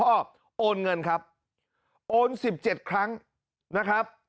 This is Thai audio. โอนเงินครับโอน๑๗ครั้งนะครับ